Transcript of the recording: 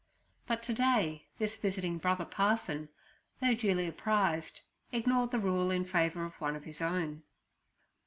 But to day this visiting brother parson, though duly apprised, ignored the rule in favour of one of his own.